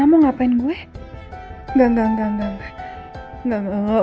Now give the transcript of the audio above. aduh serem gue sama dia